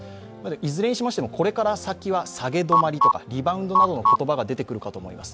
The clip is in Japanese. いずれにしましても、これから先は下げ止まりとかリバウンドという言葉が出てくるかと思います。